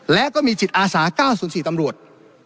และก็มีจิตอาสา๙๐๔ตำรวจ